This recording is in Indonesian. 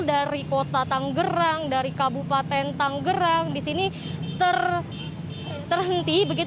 dari kota tanggrang dari kabupaten tanggrang di sini terhenti